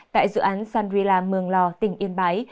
tại dự án sunrilla mường lò tỉnh yên bái